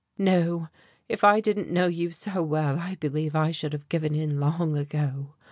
"No, if I didn't know you so well I believe I should have given in long ago.